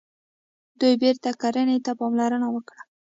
دوی بیرته کرنې ته پاملرنه وکړه.